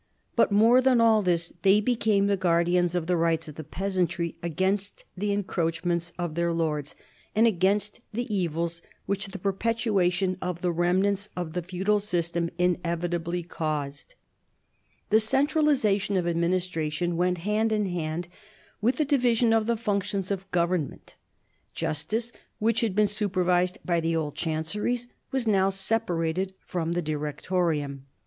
But more than all else, , they became the guardians of the rights of the peasantry against the encroachments of their lords, and against the evils which the perpetuation of the remnants of the Feudal System inevitably caused. \ 1748 57 THE EAELY REFORMS 73 The centralisation of administration went hand in hand with the division of the functions of government. Justice, which had been supervised by the old Chanceries, was now separated from the Directorium.